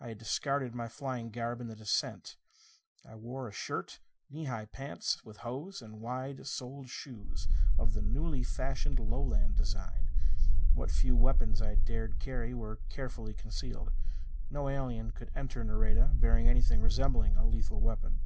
I had discarded my flying garb in the descent. I wore a shirt, knee length pants, with hose and wide soled shoes of the newly fashioned Lowland design. What few weapons I dared carry were carefully concealed. No alien could enter Nareda bearing anything resembling a lethal weapon.